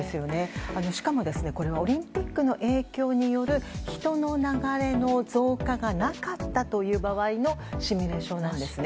しかも、これはオリンピックの影響による人の流れの増加がなかった場合のシミュレーションなんですね。